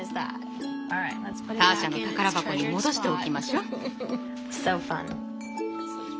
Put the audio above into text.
ターシャの宝箱に戻しておきましょ。